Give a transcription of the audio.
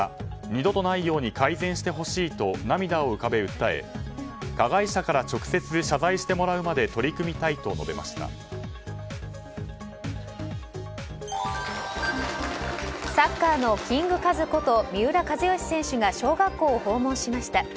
二度とないように改善してほしいと涙を浮かべ訴え加害者から直接謝罪してもらうまでサッカーのキングカズこと三浦知良選手が小学校を訪問しました。